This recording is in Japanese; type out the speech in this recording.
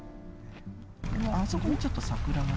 あそこにちょっと桜が。